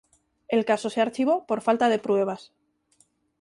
El caso se archivó por falta de pruebas.